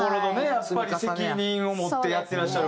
やっぱり責任を持ってやってらっしゃる。